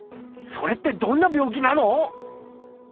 それってどんな病気なの？